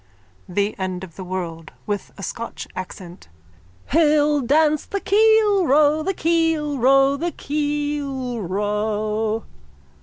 _ THE END OF THE WORLD: (With a Scotch accent.) Wha'll dance the keel row, the keel row, the keel row?